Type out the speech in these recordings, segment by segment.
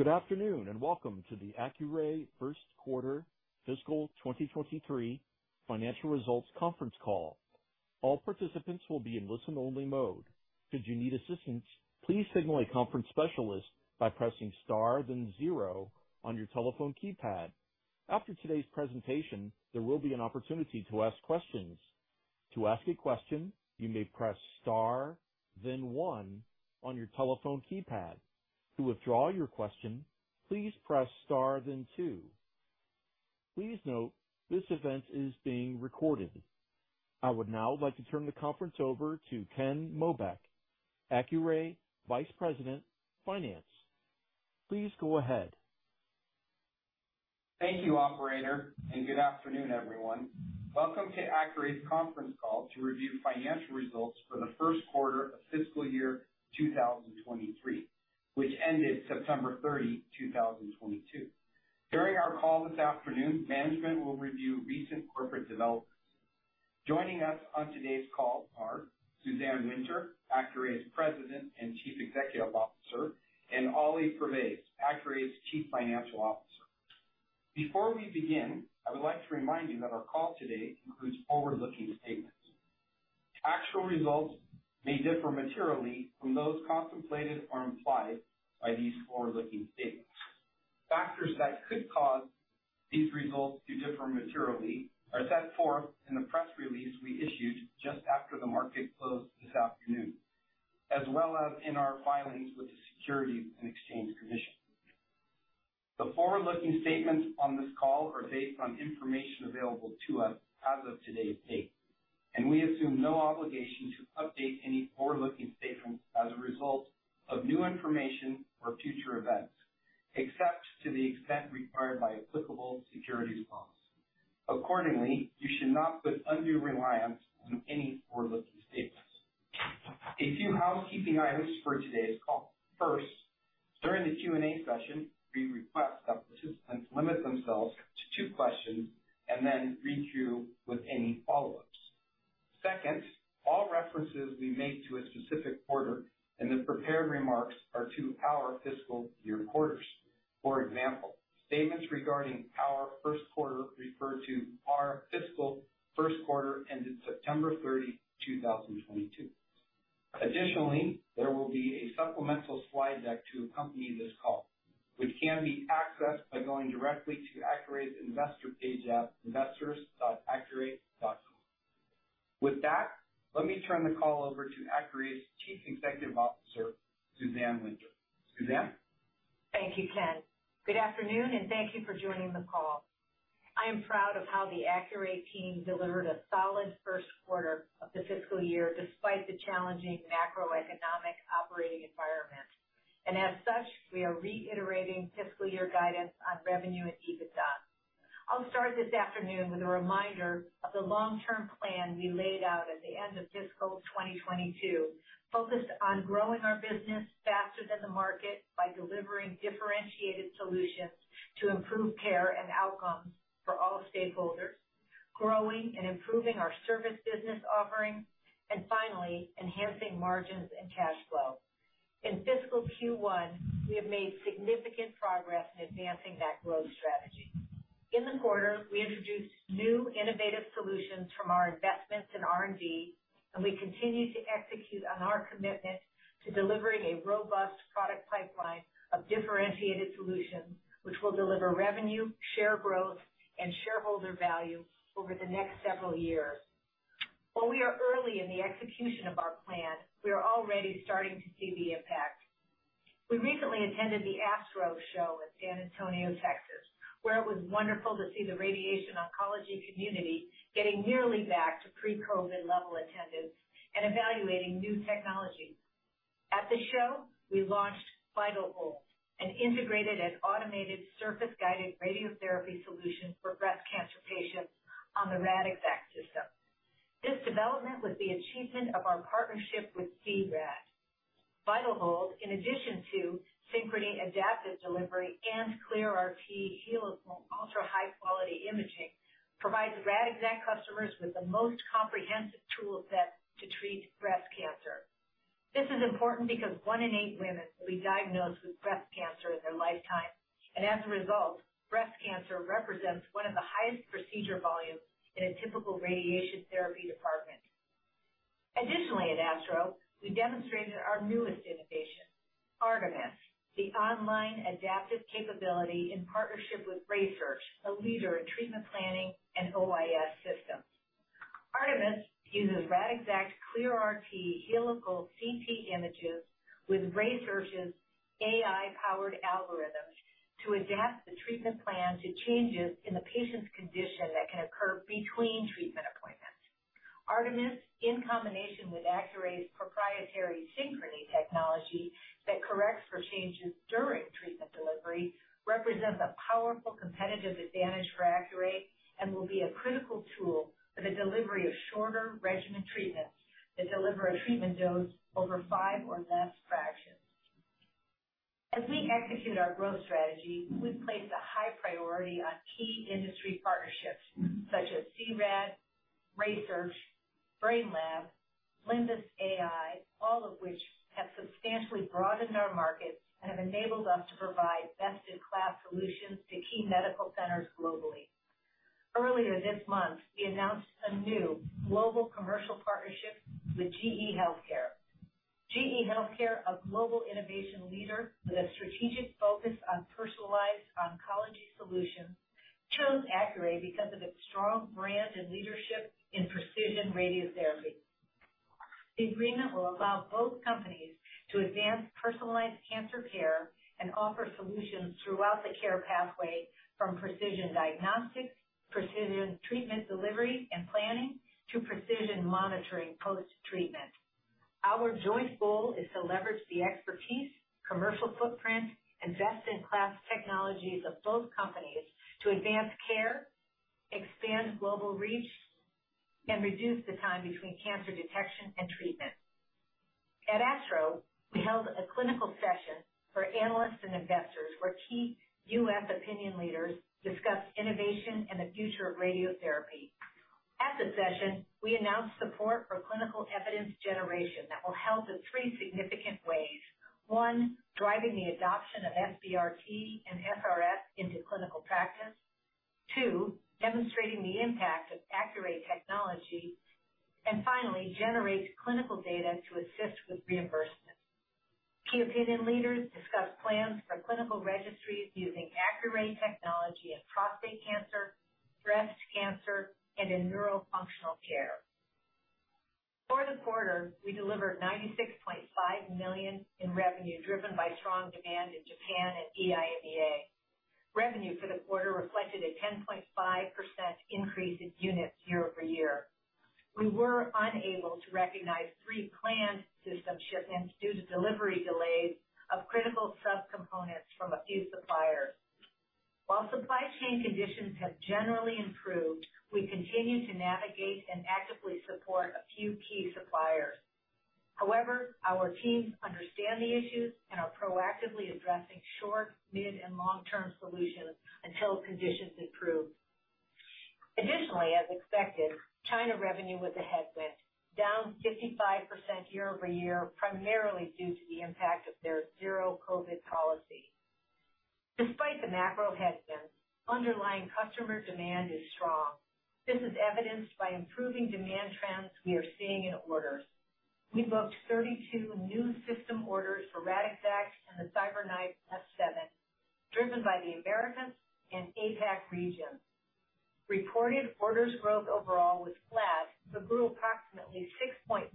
Good afternoon, and welcome to the Accuray Q1 fiscal 2023 financial results conference call. All participants will be in listen-only mode. Should you need assistance, please signal a conference specialist by pressing star, then zero on your telephone keypad. After today's presentation, there will be an opportunity to ask questions. To ask a question, you may press star, then one on your telephone keypad. To withdraw your question, please press star, then two. Please note this event is being recorded. I would now like to turn the conference over to Ken Mobeck, Accuray Vice President, Finance. Please go ahead. Thank you, operator, and good afternoon, everyone. Welcome to Accuray's conference call to review financial results for the Q1 of fiscal year 2023, which ended September 30 2022. During our call this afternoon, management will review recent corporate developments. Joining us on today's call are Suzanne Winter, Accuray's President and Chief Executive Officer, and Ali Pervaiz, Accuray's Chief Financial Officer. Before we begin, I would like to remind you that our call today includes forward-looking statements. Actual results may differ materially from those contemplated or implied by these forward-looking statements. Factors that could cause these results to differ materially are set forth in the press release we issued just after the market closed this afternoon, as well as in our filings with the Securities and Exchange Commission. The forward-looking statements on this call are based on information available to us as of today's date, and we assume no obligation to update any forward-looking statements as a result of new information or future events, except to the extent required by applicable securities laws. Accordingly, you should not put undue reliance on any forward-looking statements. A few housekeeping items for today's call. First, during the Q&A session, we request that participants limit themselves to two questions and then re-queue with any follow-ups. Second, all references we make to a specific quarter in the prepared remarks are to our fiscal year quarters. For example, statements regarding our Q1 refer to our fiscal Q1 ended September 30 2022. Additionally, there will be a supplemental slide deck to accompany this call, which can be accessed by going directly to Accuray's investor page at investors.accuray.com. With that, let me turn the call over to Accuray's Chief Executive Officer, Suzanne Winter. Suzanne? Thank you, Ken. Good afternoon, and thank you for joining the call. I am proud of how the Accuray team delivered a solid Q1 of the fiscal year, despite the challenging macroeconomic operating environment. As such, we are reiterating fiscal year guidance on revenue and EBITDA. I'll start this afternoon with a reminder of the long-term plan we laid out at the end of fiscal 2022, focused on growing our business faster than the market by delivering differentiated solutions to improve care and outcomes for all stakeholders, growing and improving our service business offering, and finally, enhancing margins and cash flow. In fiscal Q1, we have made significant progress in advancing that growth strategy. In the quarter, we introduced new innovative solutions from our investments in R&D, and we continue to execute on our commitment to delivering a robust product pipeline of differentiated solutions which will deliver revenue, share growth, and shareholder value over the next several years. While we are early in the execution of our plan, we are already starting to see the impact. We recently attended the ASTRO show in San Antonio, Texas, where it was wonderful to see the radiation oncology community getting nearly back to pre-COVID level attendance and evaluating new technology. At the show, we launched VitalHold, an integrated and automated surface-guided radiotherapy solution for breast cancer patients on the Radixact System. This development was the achievement of our partnership with C-RAD. VitalHold, in addition to Synchrony adaptive delivery and ClearRT helical ultra-high quality imaging, provides Radixact customers with the most comprehensive tool set to treat breast cancer. This is important because one in eight women will be diagnosed with breast cancer in their lifetime, and as a result, breast cancer represents one of the highest procedure volumes in a typical radiation therapy department. Additionally, at ASTRO, we demonstrated our newest innovation, ARTemis, the online adaptive capability in partnership with RaySearch, a leader in treatment planning and OIS systems. ARTemis uses Radixact's ClearRT helical CT images with RaySearch's AI-powered algorithms to adapt the treatment plan to changes in the patient's condition that can occur between treatment appointments. ARTemis, in combination with Accuray's proprietary Synchrony technology that corrects for changes during treatment delivery, represents a powerful competitive advantage for Accuray and will be a critical tool for the delivery of shorter regimen treatments that deliver a treatment dose over five or less fractions. As we execute our growth strategy, we've placed a high priority on key industry partnerships such as C-RAD, RaySearch, Brainlab, Limbus AI, all of which have substantially broadened our markets and have enabled us to provide best-in-class solutions to key medical centers globally. Earlier this month, we announced a new global commercial partnership with GE Healthcare. GE Healthcare, a global innovation leader with a strategic focus on personalized oncology solutions, chose Accuray because of its strong brand and leadership in precision radiotherapy. The agreement will allow both companies to advance personalized cancer care and offer solutions throughout the care pathway from precision diagnostics, precision treatment delivery and planning, to precision monitoring post-treatment. Our joint goal is to leverage the expertise, commercial footprint, and best-in-class technologies of both companies to advance care, expand global reach, and reduce the time between cancer detection and treatment. At ASTRO, we held a clinical session for analysts and investors where key U.S. opinion leaders discussed innovation and the future of radiotherapy. At the session, we announced support for clinical evidence generation that will help in three significant ways. One, driving the adoption of SBRT and SRS into clinical practice. Two, demonstrating the impact of Accuray technology. Finally, generate clinical data to assist with reimbursement. Key opinion leaders discussed plans for clinical registries using Accuray technology in prostate cancer, breast cancer, and in neurofunctional care. For the quarter, we delivered $96.5 million in revenue, driven by strong demand in Japan and EMEA. Revenue for the quarter reflected a 10.5% increase in units year-over-year. We were unable to recognize three planned system shipments due to delivery delays of critical subcomponents from a few suppliers. While supply chain conditions have generally improved, we continue to navigate and actively support a few key suppliers. However, our teams understand the issues and are proactively addressing short, mid, and long-term solutions until conditions improve. Additionally, as expected, China revenue was a headwind, down 55% year-over-year, primarily due to the impact of their Zero-COVID policy. Despite the macro headwind, underlying customer demand is strong. This is evidenced by improving demand trends we are seeing in orders. We booked 32 new system orders for Radixact and the CyberKnife S7, driven by the Americas and APAC region. Reported orders growth overall was flat, but grew approximately 6.5%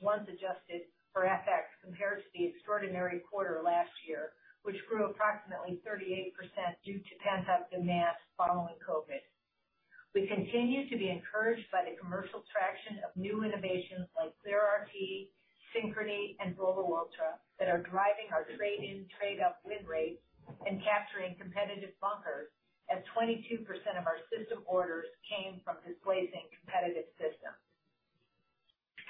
once adjusted for FX, compared to the extraordinary quarter last year, which grew approximately 38% due to pent-up demand following COVID. We continue to be encouraged by the commercial traction of new innovations like ClearRT, Synchrony, and VOLO Ultra that are driving our trade-in trade-up win rates and capturing competitive bunkers as 22% of our system orders came from displacing competitive systems.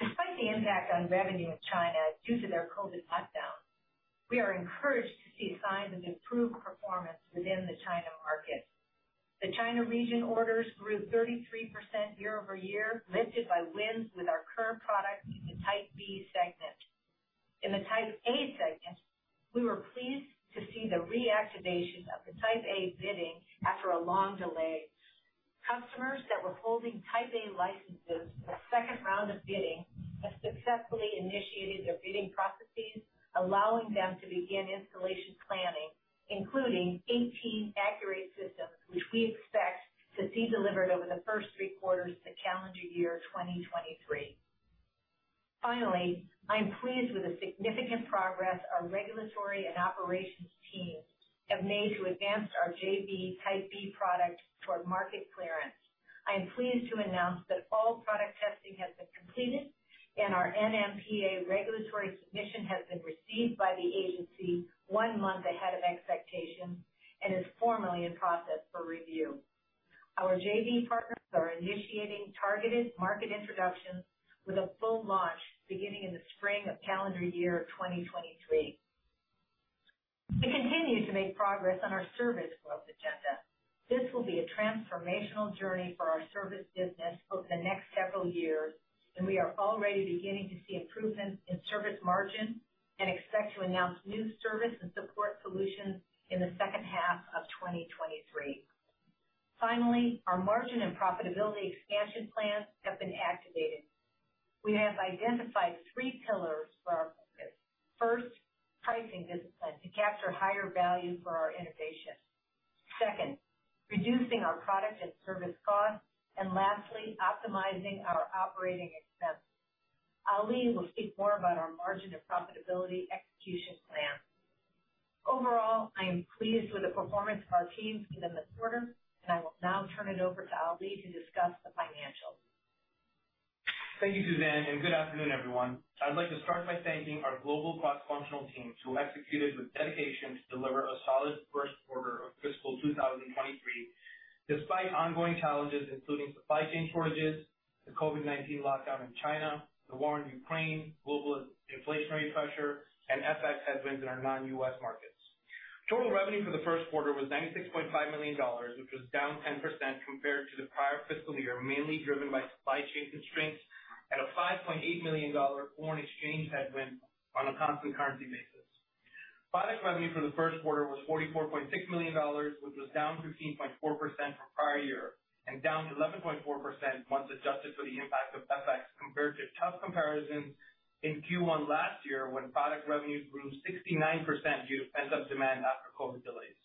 Despite the impact on revenue in China due to their COVID lockdowns, we are encouraged to see signs of improved performance within the China market. The China region orders grew 33% year-over-year, lifted by wins with our current product in the Type B segment. In the Type A segment, we were pleased to see the reactivation of the Type A bidding after a long delay. Customers that were holding Type A licenses for the second round of bidding have successfully initiated their bidding processes, allowing them to begin installation planning, including 18 Accuray systems, which we expect to see delivered over the first three quarters of the calendar year 2023. Finally, I am pleased with the significant progress our regulatory and operations teams have made to advance our JV Type B product toward market clearance. I am pleased to announce that all product testing has been completed and our NMPA regulatory submission has been received by the agency one month ahead of expectation and is formally in process for review. Our JV partners are initiating targeted market introductions with a full launch beginning in the spring of calendar year 2023. We continue to make progress on our service growth agenda. This will be a transformational journey for our service business over the next several years, and we are already beginning to see improvements in service margin and expect to announce new service and support solutions in the second half of 2023. Finally, our margin and profitability expansion plans have been activated. We have identified three pillars for our focus. First, pricing discipline to capture higher value for our innovation. Second, reducing our product and service costs. And lastly, optimizing our operating expenses. Ali will speak more about our margin and profitability execution plan. Overall, I am pleased with the performance of our teams within the quarter, and I will now turn it over to Ali to discuss the financials. Thank you, Suzanne, and good afternoon, everyone. I'd like to start by thanking our global cross-functional teams who executed with dedication to deliver a solid Q1 of fiscal 2023. Despite ongoing challenges, including supply chain shortages, the COVID-19 lockdown in China, the war in Ukraine, global inflationary pressure, and FX headwinds in our non-U.S. markets, total revenue for the Q1 was $96.5 million, which was down 10% compared to the prior fiscal year, mainly driven by supply chain constraints and a $5.8 million foreign exchange headwind on a constant currency basis. Product revenue for the Q1 was $44.6 million, which was down 13.4% from prior year and down 11.4% once adjusted for the impact of FX compared to tough comparisons in Q1 last year when product revenues grew 69% due to pent-up demand after COVID delays.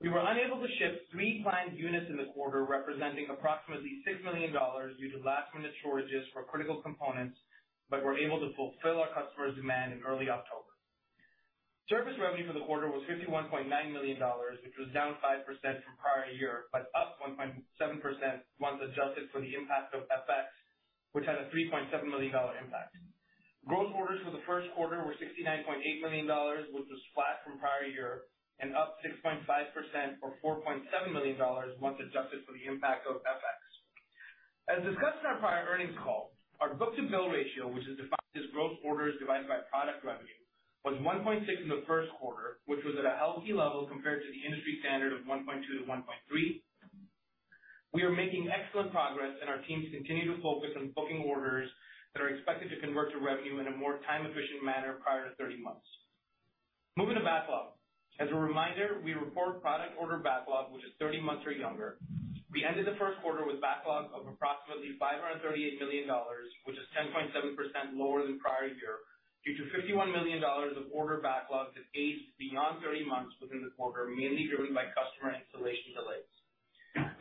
We were unable to ship three planned units in the quarter, representing approximately $6 million due to last-minute shortages for critical components, but were able to fulfill our customers' demand in early October. Service revenue for the quarter was $51.9 million, which was down 5% from prior year, but up 1.7% once adjusted for the impact of FX, which had a $3.7 million impact. Gross orders for the Q1 were $69.8 million, which was flat from prior year and up 6.5% or $4.7 million once adjusted for the impact of FX. As discussed in our prior earnings call, our book-to-bill ratio, which is defined as gross orders divided by product revenue, was 1.6 in the Q1, which was at a healthy level compared to the industry standard of 1.2-1.3. We are making excellent progress and our teams continue to focus on booking orders that are expected to convert to revenue in a more time-efficient manner prior to 30 months. Moving to backlog. As a reminder, we report product order backlog, which is 30 months or younger. We ended the Q1 with backlog of approximately $538 million, which is 10.7% lower than prior year due to $51 million of order backlog that aged beyond 30 months within the quarter, mainly driven by customer installation delays.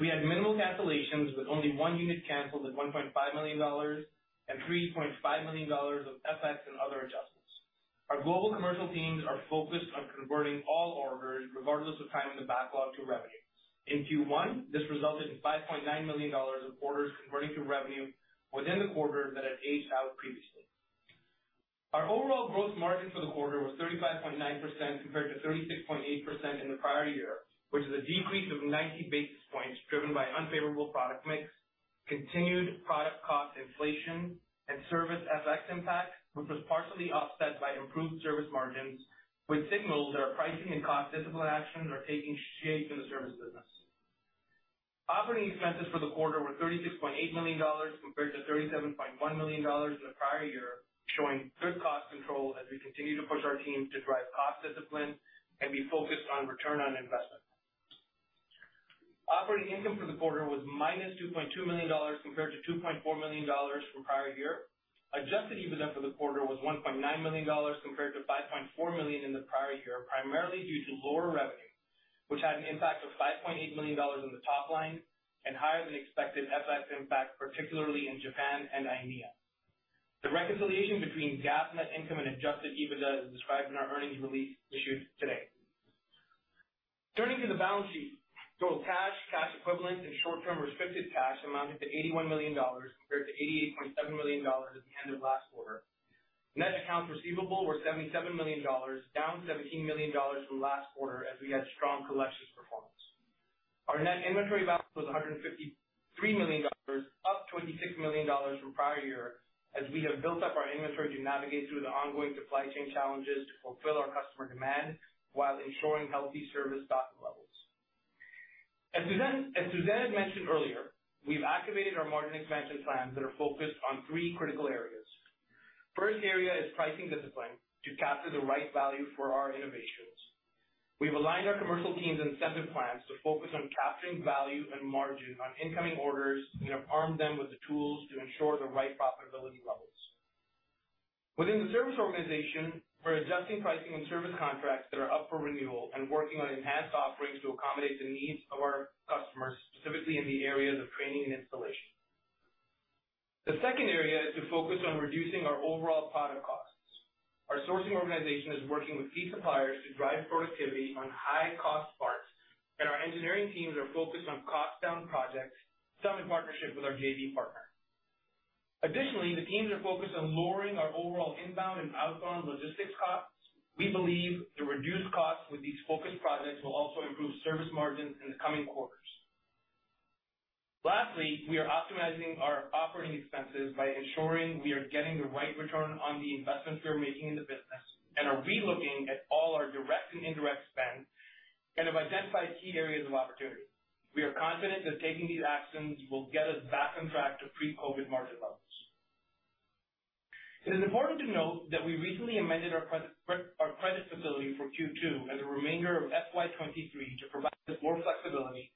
We had minimal cancellations, with only one unit canceled at $1.5 million and $3.5 million of FX and other adjustments. Our global commercial teams are focused on converting all orders regardless of time in the backlog to revenue. In Q1, this resulted in $5.9 million of orders converting to revenue within the quarter that had aged out previously. Our overall gross margin for the quarter was 35.9% compared to 36.8% in the prior year, which is a decrease of 90 basis points driven by unfavorable product mix, continued product cost inflation and service FX impact, which was partially offset by improved service margins, which signals that our pricing and cost discipline actions are taking shape in the service business. Operating expenses for the quarter were $36.8 million compared to $37.1 million in the prior year, showing good cost control as we continue to push our teams to drive cost discipline and be focused on return on investment. Operating income for the quarter was -$2.2 million compared to $2.4 million from prior year. Adjusted EBITDA for the quarter was $1.9 million compared to $5.4 million in the prior year, primarily due to lower revenue, which had an impact of $5.8 million in the top line and higher than expected FX impact, particularly in Japan and EMEA. The reconciliation between GAAP net income and adjusted EBITDA is described in our earnings release issued today. Turning to the balance sheet, total cash equivalents and short-term restricted cash amounted to $81 million compared to $88.7 million at the end of last quarter. Net accounts receivable were $77 million, down $17 million from last quarter as we had strong collection performance. Our net inventory balance was $153 million, up $26 million from prior year as we have built up our inventory to navigate through the ongoing supply chain challenges to fulfill our customer demand while ensuring healthy service stock levels. As Suzanne had mentioned earlier, we've activated our margin expansion plans that are focused on three critical areas. First area is pricing discipline to capture the right value for our innovations. We've aligned our commercial teams incentive plans to focus on capturing value and margin on incoming orders and have armed them with the tools to ensure the right profitability levels. Within the service organization, we're adjusting pricing and service contracts that are up for renewal and working on enhanced offerings to accommodate the needs of our customers, specifically in the areas of training and installation. The second area is to focus on reducing our overall product costs. Our sourcing organization is working with key suppliers to drive productivity on high-cost parts, and our engineering teams are focused on cost down projects, some in partnership with our JV partner. Additionally, the teams are focused on lowering our overall inbound and outbound logistics costs. We believe the reduced costs with these focused projects will also improve service margins in the coming quarters. Lastly, we are optimizing our operating expenses by ensuring we are getting the right return on the investments we are making in the business and are re-looking at all our direct and indirect spend and have identified key areas of opportunity. We are confident that taking these actions will get us back on track to pre-COVID margin levels. It is important to note that we recently amended our credit facility for Q2 and the remainder of FY 2023 to provide us more flexibility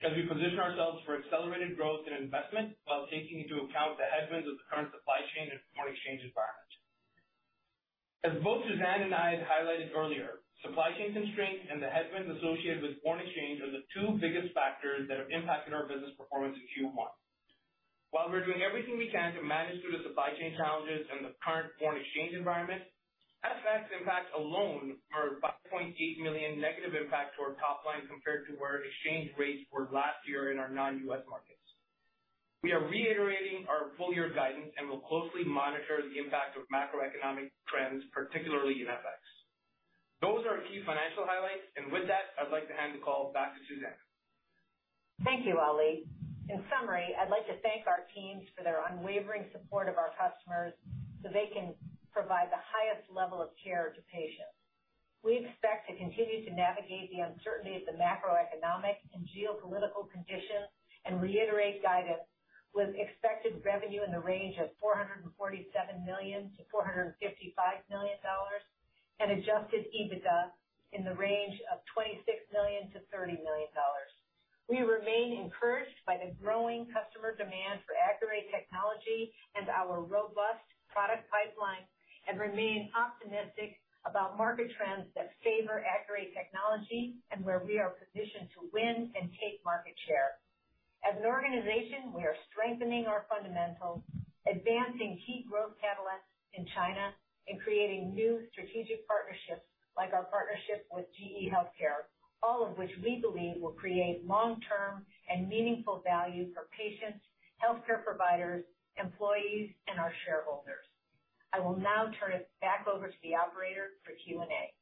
as we position ourselves for accelerated growth and investment while taking into account the headwinds of the current supply chain and foreign exchange environment. As both Suzanne and I had highlighted earlier, supply chain constraints and the headwinds associated with foreign exchange are the two biggest factors that have impacted our business performance in Q1. While we're doing everything we can to manage through the supply chain challenges and the current foreign exchange environment, FX impact alone is a $5.8 million negative impact to our top line compared to where exchange rates were last year in our non-U.S. markets. We are reiterating our full year guidance and will closely monitor the impact of macroeconomic trends, particularly in FX. Those are our key financial highlights. With that, I'd like to hand the call back to Suzanne. Thank you, Ali. In summary, I'd like to thank our teams for their unwavering support of our customers so they can provide the highest level of care to patients. We expect to continue to navigate the uncertainty of the macroeconomic and geopolitical conditions and reiterate guidance with expected revenue in the range of $447 million-$455 million and adjusted EBITDA in the range of $26 million-$30 million. We remain encouraged by the growing customer demand for Accuray technology and our robust product pipeline, and remain optimistic about market trends that favor Accuray technology and where we are positioned to win and take market share. As an organization, we are strengthening our fundamentals, advancing key growth catalysts in China, and creating new strategic partnerships like our partnership with GE Healthcare, all of which we believe will create long-term and meaningful value for patients, healthcare providers, employees, and our shareholders. I will now turn it back over to the operator for Q&A.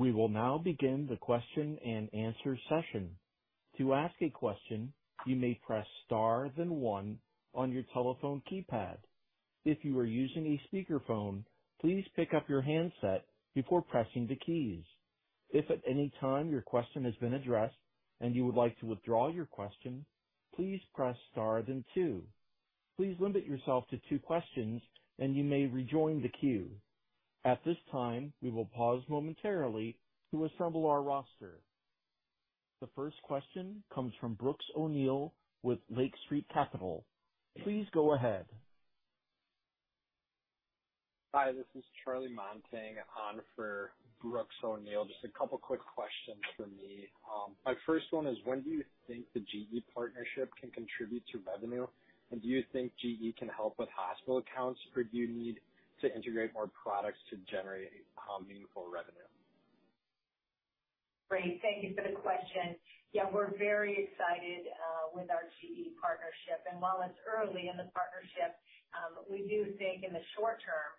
We will now begin the question and answer session. To ask a question, you may press star then one on your telephone keypad. If you are using a speakerphone, please pick up your handset before pressing the keys. If at any time your question has been addressed and you would like to withdraw your question, please press star then two. Please limit yourself to two questions and you may rejoin the queue. At this time, we will pause momentarily to assemble our roster. The first question comes from Brooks O'Neil with Lake Street Capital. Please go ahead. Hi, this is Charlie Montang on for Brooks O'Neil. Just a couple quick questions from me. My first one is, when do you think the GE partnership can contribute to revenue? Do you think GE can help with hospital accounts, or do you need to integrate more products to generate meaningful revenue? Great. Thank you for the question. Yeah, we're very excited with our GE partnership. While it's early in the partnership, we do think in the short term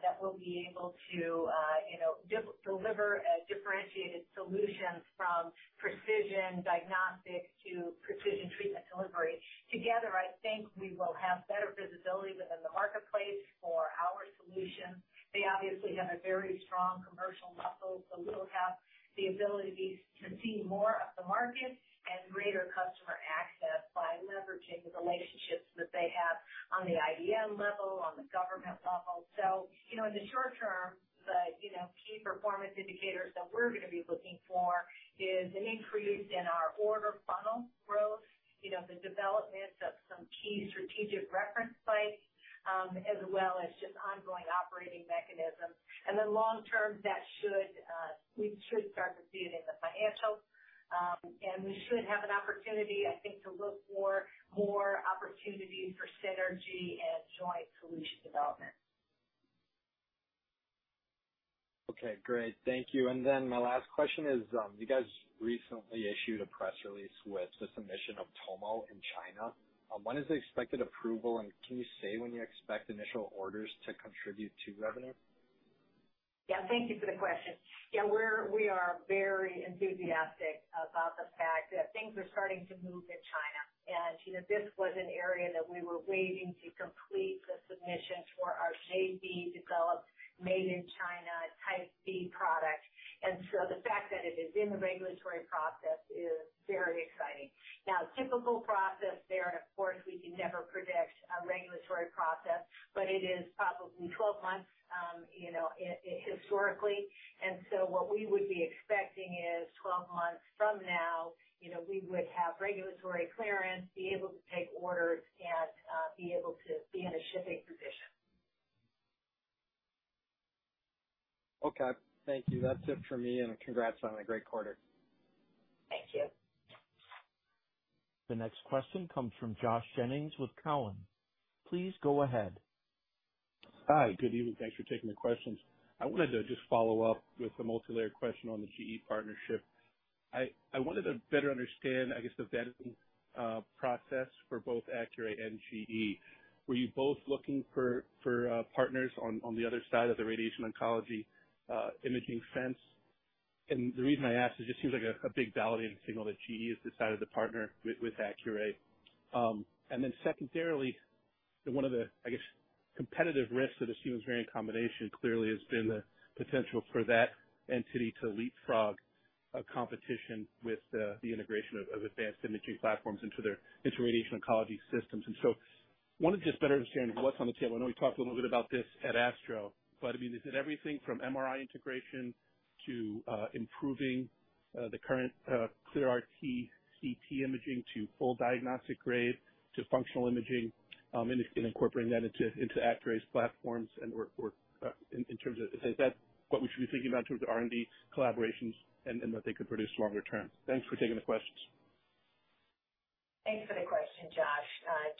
that we'll be able to, you know, deliver a differentiated solution from precision diagnostics to precision treatment delivery. Together, I think we will have better visibility within the marketplace for our solutions. They obviously have a very strong commercial muscle, so we'll have the ability to see more of the market and greater customer access by leveraging the relationships that they have on the IDM level, on the government level. You know, in the short term, the you know key performance indicators that we're gonna be looking for is an increase in our order funnel growth, you know, the development of some key strategic reference sites, as well as just ongoing operating mechanisms. Long term, that should, we should start to see it in the financials. We should have an opportunity, I think, to look for more opportunities for synergy and joint solution development. Okay, great. Thank you. My last question is, you guys recently issued a press release with the submission of Tomo in China. When is the expected approval, and can you say when you expect initial orders to contribute to revenue? Yeah, thank you for the question. Yeah, we are very enthusiastic about the fact that things are starting to move in China. You know, this was an area that we were waiting to complete the submissions for our JV developed made in China type B product. So the fact that it is in the regulatory process is very exciting. Now, typical process there, and of course we can never predict a regulatory process, but it is probably 12 months, you know, historically. So what we would be expecting is 12 months from now, you know, we would have regulatory clearance, be able to take orders and, be able to be in a shipping position. Okay. Thank you. That's it for me, and congrats on a great quarter. Thank you. The next question comes from Josh Jennings with Cowen. Please go ahead. Hi. Good evening. Thanks for taking the questions. I wanted to just follow up with a multilayer question on the GE partnership. I wanted to better understand, I guess the vetting process for both Accuray and GE. Were you both looking for partners on the other side of the radiation oncology imaging fence? The reason I ask is it seems like a big validating signal that GE has decided to partner with Accuray. And then secondarily, one of the... I guess, competitive risks of this Siemens Varian combination clearly has been the potential for that entity to leapfrog a competition with the integration of advanced imaging platforms into their radiation oncology systems. Wanted to just better understand what's on the table. I know we talked a little bit about this at ASTRO, but, I mean, is it everything from MRI integration to improving the current ClearRT CT imaging to full diagnostic grade to functional imaging, and incorporating that into Accuray's platforms and/or or in terms of is that what we should be thinking about in terms of R&D collaborations and what they could produce longer term? Thanks for taking the questions. Thanks for the question, Josh.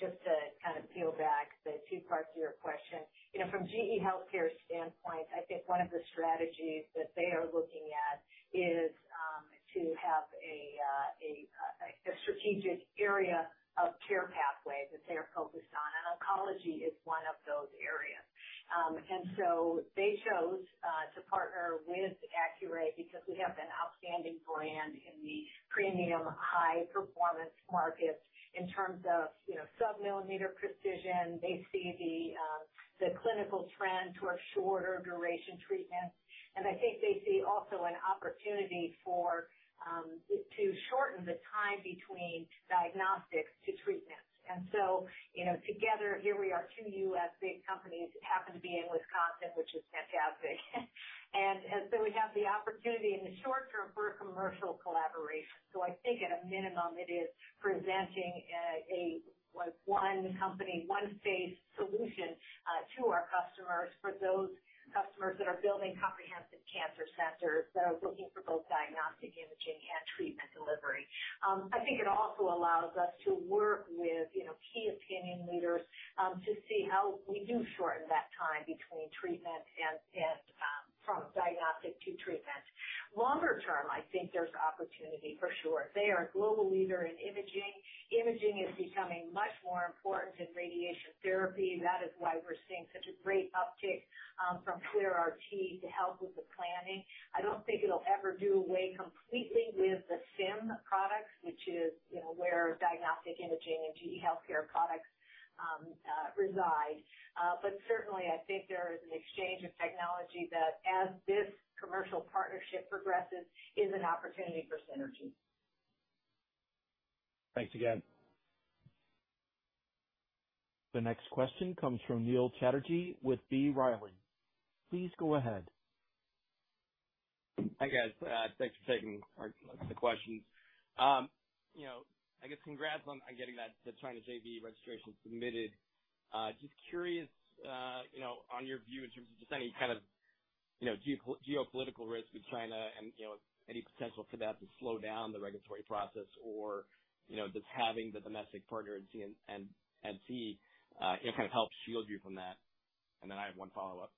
Just to kind of peel back the two parts of your question. You know, from GE Healthcare's standpoint, I think one of the strategies that they are looking at is to have a strategic area of care pathway that they are focused on oncology is one of those areas. They chose to partner with Accuray because we have an outstanding brand in the premium high performance market in terms of, you know, sub-millimeter precision. They see the clinical trend towards shorter duration treatments, and I think they see also an opportunity to shorten the time between diagnostics to treatment. You know, together here we are, two U.S. big companies that happen to be in Wisconsin, which is fantastic. We have the opportunity in the short term for a commercial collaboration. I think at a minimum, it is presenting a like one company, one face solution to our customers, for those customers that are building comprehensive cancer centers that are looking for both diagnostic imaging and treatment delivery. I think it also allows us to work with, you know, key opinion leaders, to see how we do shorten that time between treatment and from diagnostic to treatment. Longer term, I think there's opportunity for sure. They are a global leader in imaging. Imaging is becoming much more important in radiation therapy. That is why we're seeing such a great uptick from ClearRT to help with the planning.I don't think it'll ever do away completely with the SIM products, which is, you know, where diagnostic imaging and GE Healthcare products reside. Certainly I think there is an exchange of technology that as this commercial partnership progresses is an opportunity for synergy. Thanks again. The next question comes from Neil Chatterji with B. Riley. Please go ahead. Hi, guys. Thanks for taking the questions. You know, I guess congrats on getting the China JV registration submitted. Just curious, you know, on your view in terms of just any kind of geopolitical risk with China and, you know, any potential for that to slow down the regulatory process or you know, does having the domestic partner in CNNC kind of help shield you from that? Then I have one follow-up.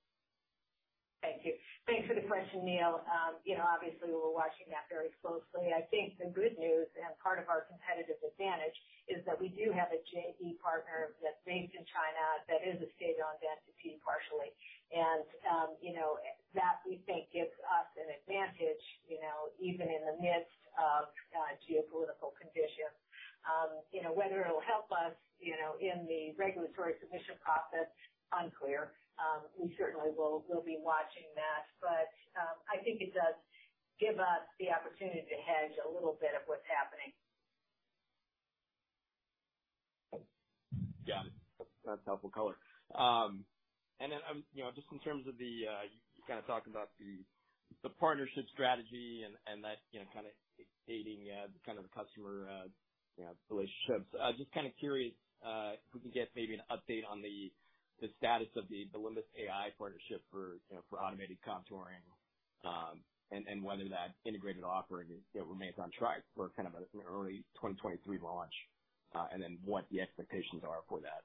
Thank you. Thanks for the question, Neil. You know, obviously we're watching that very closely. I think the good news, and part of our competitive advantage, is that we do have a JV partner that's based in China that is a state-owned entity partially. You know, that we think gives us an advantage, you know, even in the midst of geopolitical conditions. You know, whether it'll help us, you know, in the regulatory submission process, unclear. We certainly will be watching that. I think it does give us the opportunity to hedge a little bit of what's happening. Got it. That's helpful color. You know, just in terms of the, you kind of talked about the partnership strategy and that, you know, kind of deepening the customer relationships. Just kind of curious if we can get maybe an update on the status of the Limbus AI partnership for automated contouring and whether that integrated offering remains on track for kind of an early 2023 launch and then what the expectations are for that.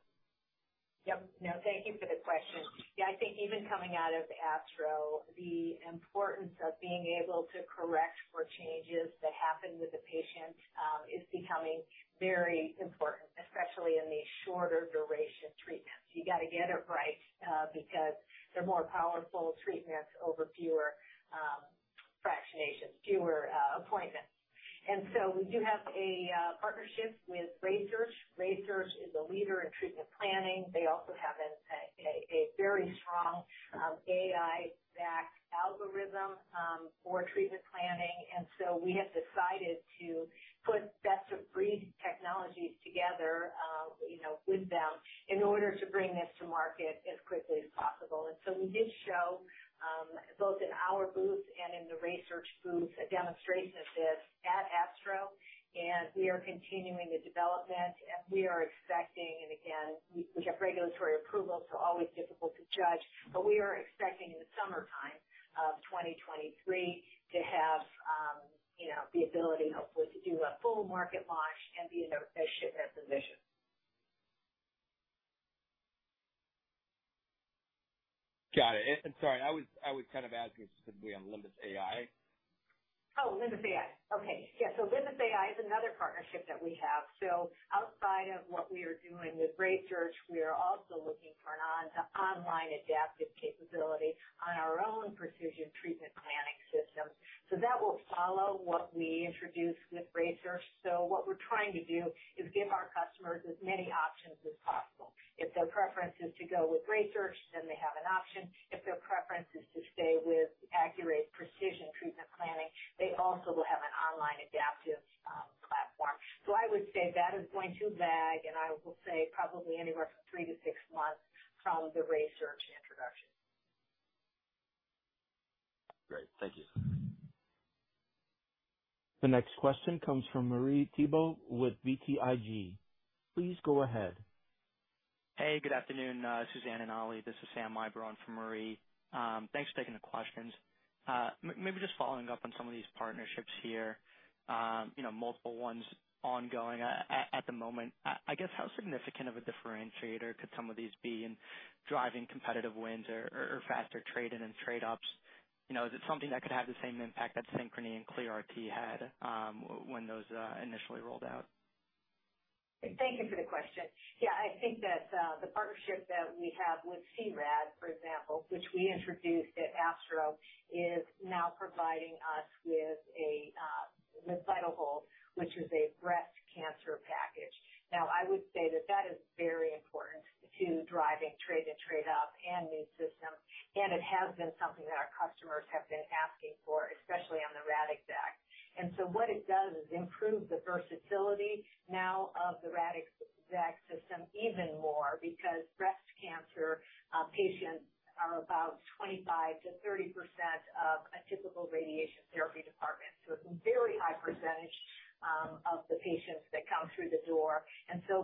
Yep. No, thank you for the question. Yeah, I think even coming out of ASTRO, the importance of being able to correct for changes that happen with the patient, is becoming very important, especially in these shorter duration treatments. You gotta get it right, because they're more powerful treatments over fewer fractionations, fewer appointments. We do have a partnership with RaySearch. RaySearch is a leader in treatment planning. They also have a very strong AI-backed algorithm for treatment planning. We have decided to put best of breed technologies together, you know, with them in order to bring this to market as quickly as possible. We did show both in our booth and in the RaySearch booth, a demonstration of this at ASTRO, and we are continuing the development. We are expecting, and again, we get regulatory approvals, so always difficult to judge, but we are expecting in the summertime of 2023 to have, you know, the ability hopefully to do a full market launch and be in a shipment position. Got it. I'm sorry, I was kind of asking specifically on Limbus AI. Oh, Limbus AI. Okay. Yeah. Limbus AI is another partnership that we have. Outside of what we are doing with RaySearch, we are also looking for an online adaptive capability on our own Precision Treatment Planning system. That will follow what we introduce with RaySearch. What we're trying to do is give our customers as many options as possible. If their preference is to go with RaySearch, then they have an option. If their preference is to stay with Accuray's Precision Treatment Planning, they also will have an online adaptive platform. I would say that is going to lag, and I will say probably anywhere from three to six months from the RaySearch introduction. Great. Thank you. The next question comes from Marie Thibault with BTIG. Please go ahead. Hey, good afternoon, Suzanne and Ali. This is Sam Eiber from BTIG. Thanks for taking the questions. Maybe just following up on some of these partnerships here, you know, multiple ones ongoing at the moment. I guess how significant of a differentiator could some of these be in driving competitive wins or faster trade-in and trade-ups? You know, is it something that could have the same impact that Synchrony and ClearRT had when those initially rolled out? Thank you for the question. Yeah, I think that the partnership that we have with C-RAD, for example, which we introduced at ASTRO, is now providing us with VitalHold, which is a breast cancer package. Now, I would say that that is very important to driving trade up and new systems, and it has been something that our customers have been asking for, especially on the Radixact. What it does is improve the versatility now of the Radixact System even more because breast cancer patients are about 25%-30% of a typical radiation therapy department. It's a very high percentage of the patients that come through the door.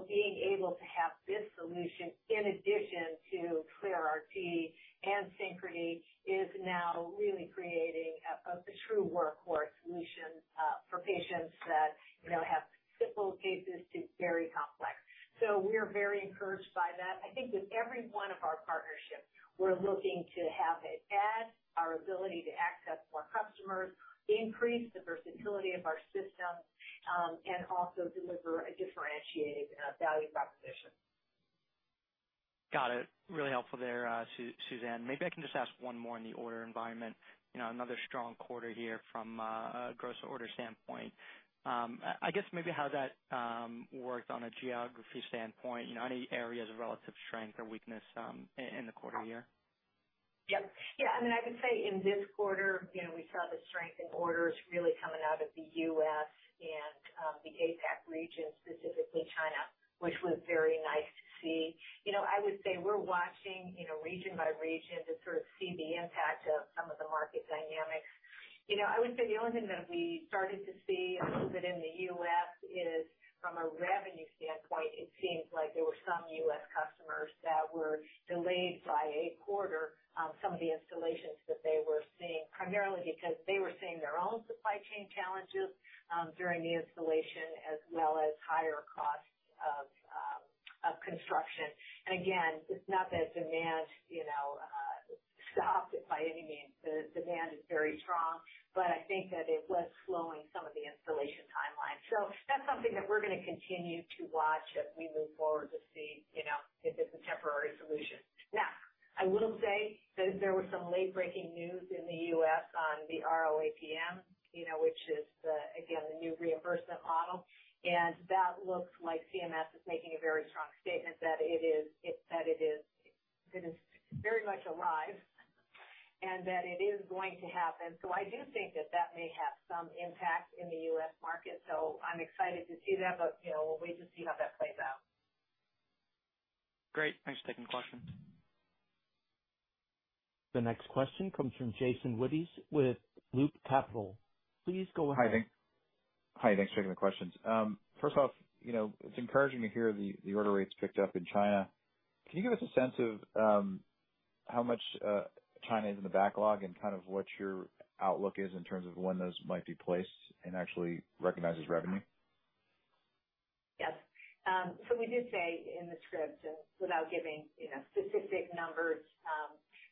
Being able to have this solution in addition to ClearRT and Synchrony is now really creating a true workhorse solution for patients that you know have simple cases to very complex. We're very encouraged by that. I think with every one of our partnerships, we're looking to have it add our ability to access more customers, increase the versatility of our system, and also deliver a differentiated value proposition. Got it. Really helpful there, Suzanne. Maybe I can just ask one more in the order environment. You know, another strong quarter here from a gross order standpoint. I guess maybe how that worked on a geography standpoint, you know, any areas of relative strength or weakness in the quarter year? Yep. Yeah. I mean, I can say in this quarter, you know, we saw the strength in orders really coming out of the U.S. and the APAC region, specifically China, which was very nice to see. You know, I would say we're watching, you know, region by region to sort of see the impact of some of the market dynamics. You know, I would say the only thing that we started to see a little bit in the U.S. is, from a revenue standpoint, it seems like there were some U.S. customers that were delayed by a quarter on some of the installations that they were seeing, primarily because they were seeing their own supply chain challenges during the installation as well as higher costs of construction. Again, it's not that demand, you know, stopped by any means. The demand is very strong, but I think that it was slowing some of the installation timeline. That's something that we're gonna continue to watch as we move forward to see you know, if it's a temporary solution. Now, I will say that there was some late-breaking news in the U.S. on the RO-APM, you know, which is, again, the new reimbursement model, and that looks like CMS is making a very strong statement that it is very much alive, and that it is going to happen. I do think that that may have some impact in the U.S. market. I'm excited to see that, but, you know, we'll wait to see how that plays out. Great. Thanks for taking the question. The next question comes from Jason Wittes with Loop Capital. Please go ahead. Hi, thanks for taking the questions. First off, you know, it's encouraging to hear the order rates picked up in China. Can you give us a sense of how much China is in the backlog and kind of what your outlook is in terms of when those might be placed and actually recognized as revenue? Yes. So we did say in the script and without giving, you know, specific numbers,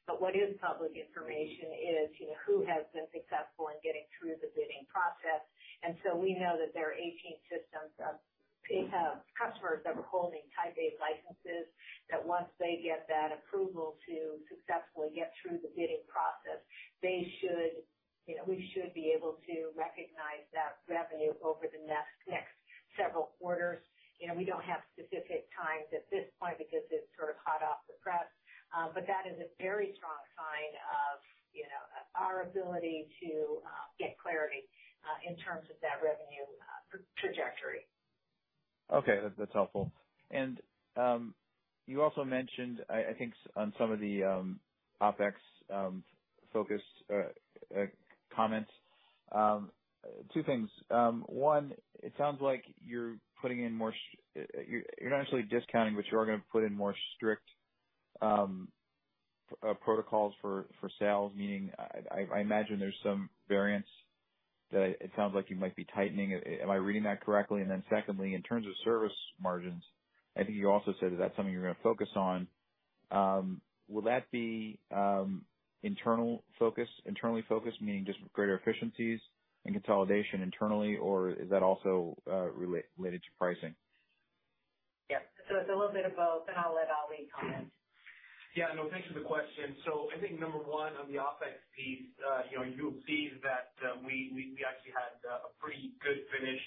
but what is public information is, you know, who has been successful in getting through the bidding process. We know that there are 18 systems of customers that were holding Type A licenses, that once they get that approval to successfully get through the bidding process, they should, you know, we should be able to recognize that revenue over the next several quarters. You know, we don't have specific times at this point because it's sort of hot off the press, but that is a very strong sign of, you know, our ability to get clarity in terms of that revenue trajectory. Okay. That's helpful. You also mentioned I think on some of the OpEx focus comments two things. One, it sounds like you're putting in more. You're not actually discounting, but you are gonna put in more strict protocols for sales. Meaning I imagine there's some variance. It sounds like you might be tightening it. Am I reading that correctly? Then secondly, in terms of service margins, I think you also said that that's something you're gonna focus on. Will that be internal focus, internally focused, meaning just greater efficiencies and consolidation internally, or is that also related to pricing? Yep. It's a little bit of both, and I'll let Ali comment. Yeah, no, thanks for the question. I think number one, on the OpEx piece, you know, you'll see that, we actually had a pretty good finish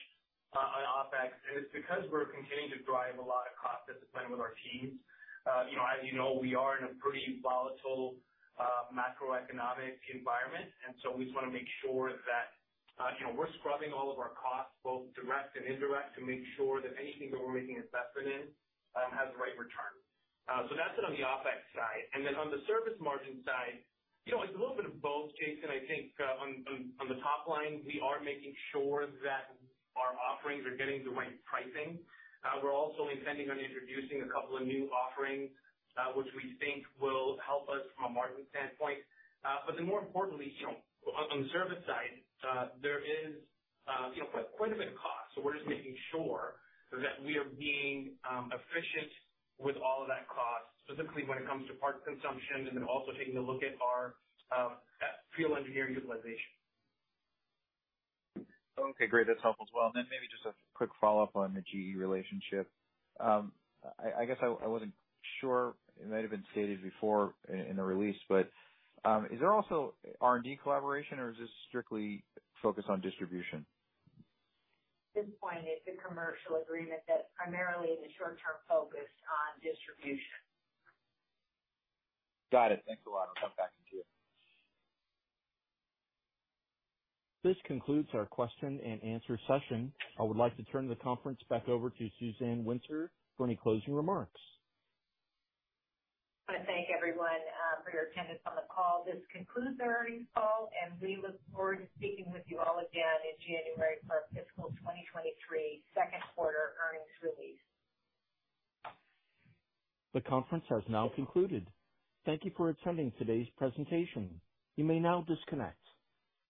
on OpEx, and it's because we're continuing to drive a lot of cost discipline with our teams. You know, as you know, we are in a pretty volatile macroeconomic environment, and so we just wanna make sure that, you know, we're scrubbing all of our costs, both direct and indirect, to make sure that anything that we're making investment in, has the right return. So that's it on the OpEx side. Then on the service margin side, you know, it's a little bit of both, Jason. I think on the top line, we are making sure that our offerings are getting the right pricing. We're also intending on introducing a couple of new offerings, which we think will help us from a margin standpoint. More importantly, you know, on the service side, there is you know, quite a bit of cost. We're just making sure that we are being efficient with all of that cost, specifically when it comes to part consumption and then also taking a look at our field engineering utilization. Okay, great. That's helpful as well. Maybe just a quick follow-up on the GE relationship. I guess I wasn't sure, it might have been stated before in the release, but is there also R&D collaboration or is this strictly focused on distribution? At this point, it's a commercial agreement that's primarily in the short term focused on distribution. Got it. Thanks a lot. I'll come back to you. This concludes our question-and-answer session. I would like to turn the conference back over to Suzanne Winter for any closing remarks. I wanna thank everyone for your attendance on the call. This concludes our earnings call, and we look forward to speaking with you all again in January for our fiscal 2023 Q2 earnings release. The conference has now concluded. Thank you for attending today's presentation. You may now disconnect.